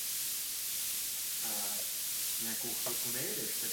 Právo Izraele na mírovou existenci je nezadatelné.